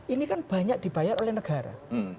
ini kan banyak dibayar oleh negara